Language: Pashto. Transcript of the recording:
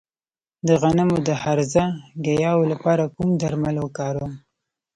د غنمو د هرزه ګیاوو لپاره کوم درمل وکاروم؟